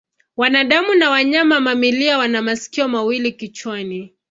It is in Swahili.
Wanadamu na wanyama mamalia wana masikio mawili kichwani.